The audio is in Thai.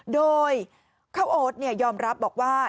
โดยข้าวโอ๊ตยอมรับบอกว่า